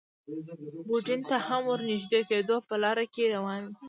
یوډین ته هم ور نږدې کېدو، په لاره کې روان و.